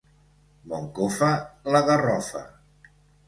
Moncofa, la garrofa.